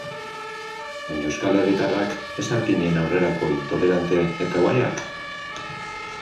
Baina euskal herritarrak ez al ginen aurrerakoi, tolerante eta guayak?